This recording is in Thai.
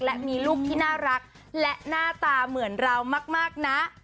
และมีลูกที่น่ารักและหน้าตาเหมือนเรามากนะ